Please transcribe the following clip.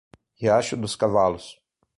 Riacho dos Cavalos